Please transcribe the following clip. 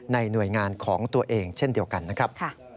หน่วยงานของตัวเองเช่นเดียวกันนะครับ